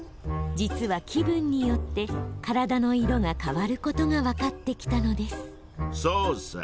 実は気分によって体の色が変わることが分かってきたのですそうさ。